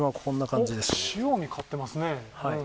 おっ塩見買ってますね。